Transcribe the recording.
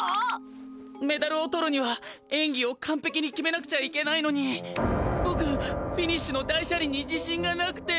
メダルを取るにはえんぎをかんぺきに決めなくちゃいけないのにぼくフィニッシュの大車輪に自しんがなくて。